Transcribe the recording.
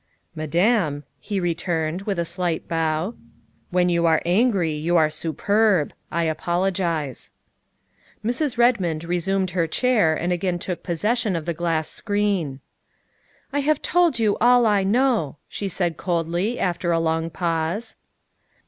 " Madame," he returned, with a slight bow, " when you are angry you are superb. I apologize. '' Mrs. Redmond resumed her chair and again took pos session of the glass screen. " I have told you all I know," she said coldly, after a long pause.